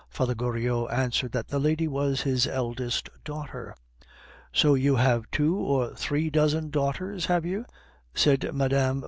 Father Goriot answered that the lady was his eldest daughter. "So you have two or three dozen daughters, have you?" said Mme.